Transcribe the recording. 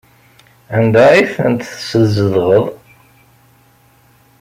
Anda ay tent-teszedɣeḍ?